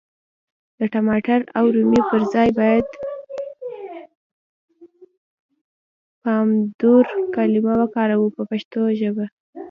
د ټماټر او رومي پر ځای بايد پامدور کلمه وکاروو په پښتو کي.